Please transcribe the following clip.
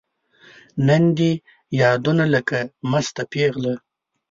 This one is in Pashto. نن دي یادونو لکه مسته پیغله